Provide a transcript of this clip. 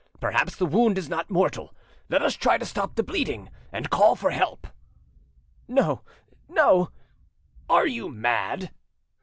Perhaps the wound is not mortal. Let us try to stop the bleeding and call for help." "No, no—" "Are you mad?"